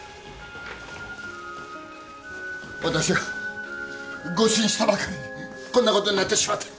私が誤診したばかりにこんなことになってしまって。